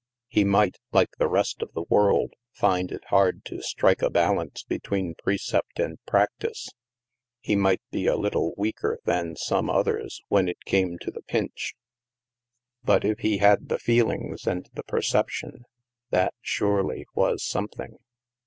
He might, like the rest of the world, find it hard to strike a balance between precept and practice. He might be a little weaker than some others, when it came to the pinch; but if he had 232 THE MASK the feelings and the perception, that, surely, was something!